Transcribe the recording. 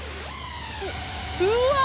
うわ！